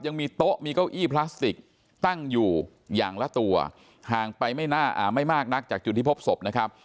ยังมีโต๊ะมีเก้าอี้พลาสติกตั้งอยู่อย่างละตัวห่างไปไม่น่าไม่มากนักจากจุดที่พบศพนะครับ